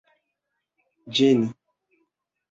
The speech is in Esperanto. ĝeni